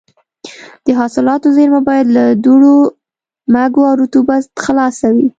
د حاصلاتو زېرمه باید له دوړو، مږو او رطوبت خلاصه وي.